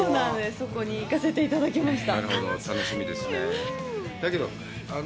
そこに行かせていただきました。